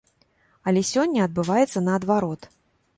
Але сёння адбываецца наадварот.